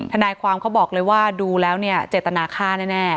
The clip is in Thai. ทนายความเขาบอกเลยว่าดูแล้วเนี่ยเจตนาฆ่าแน่